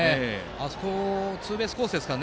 あそこはツーベースコースですから。